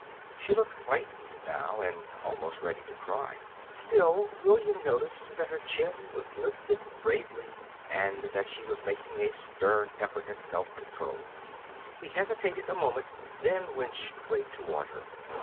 She looked frightened now, and almost ready to cry. Still, William noticed that her chin was lifted bravely, and that she was making a stern effort at self control. He hesitated a moment, then went straight toward her.